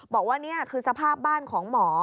บอกว่านี่คือสภาพบ้านของหมอ